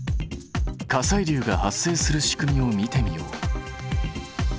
火砕流が発生する仕組みを見てみよう。